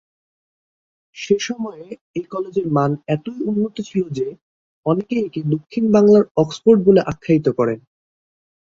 সেসময়ে এ কলেজের মান এতই উন্নত ছিল যে অনেকে একে দক্ষিণ বাংলার অক্সফোর্ড বলে আখ্যায়িত করেন।